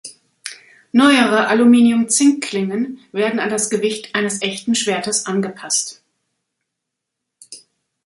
Neuere Aluminium-Zink Klingen werden an das Gewicht eines echten Schwertes angepasst.